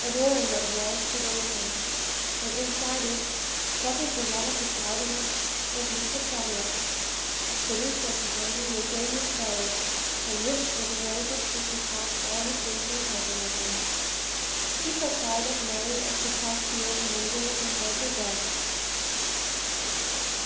A door in that wall stood open, and inside it, talking to one of his gardeners, was Mr. Folliot the vistas behind him were gay with flowers and rich with the roses which he passed all his days in cultivating. He caught sight of Mary as she passed the open doorway and called her back.